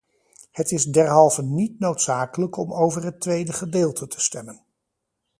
Het is derhalve niet noodzakelijk om over het tweede gedeelte te stemmen.